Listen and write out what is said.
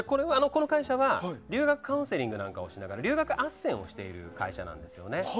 この会社は留学カウンセリングということで留学斡旋をしている会社なんですよね。